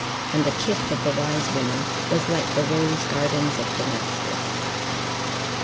And the kiss of the wise woman was like the rose gardens of Damascus. IV.